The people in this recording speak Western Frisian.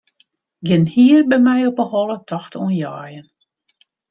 Gjin hier by my op 'e holle tocht oan jeien.